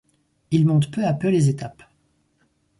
Il monte peu à peu les étapes.